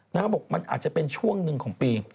เขาบอกมันอาจจะเป็นช่วงหนึ่งของปี